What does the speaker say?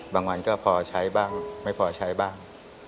บางวันก็พอใช้บ้างไม่พอใช้บ้าง